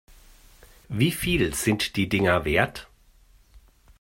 Wie viel sind die Dinger wert?